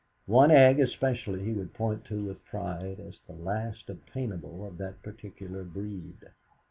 One egg especially he would point to with pride as the last obtainable of that particular breed.